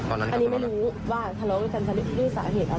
อันนี้ไม่รู้ว่าทะเลาะกันด้วยสาเหตุอะไร